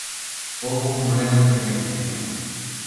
Houbo un problema de planificación.